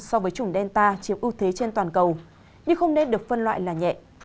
so với chủng delta chiếm ưu thế trên toàn cầu nhưng không nên được phân loại là nhẹ